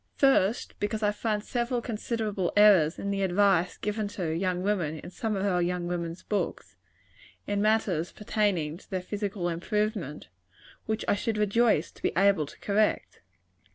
First, because I find several considerable errors in the advice given to young women in some of our young women's books, in matters pertaining to their physical improvement, which I should rejoice to be able to correct.